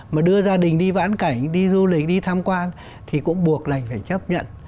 mà đưa gia đình đi vãn cảnh đi du lịch đi tham quan thì cũng buộc là phải chấp nhận